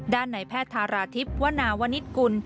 ในแพทย์ธาราทิพย์วนาวนิตกุล